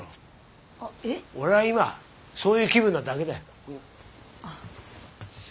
俺は今そういう気分なだけだ。